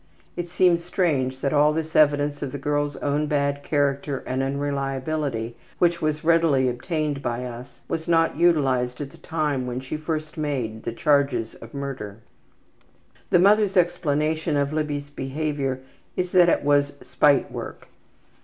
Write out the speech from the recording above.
(It seems strange that all this evidence of the girl's own bad character and unreliability, which was readily obtained by us, was not utilized at the time when she first made the charges of murder.) The mother's explanation of Libby's behavior is that it was spite work.